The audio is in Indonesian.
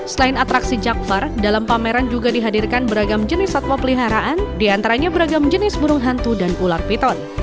selain atraksi jakfar dalam pameran juga dihadirkan beragam jenis satwa peliharaan diantaranya beragam jenis burung hantu dan ular piton